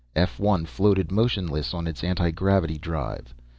F 1 floated motionless on its anti gravity drive.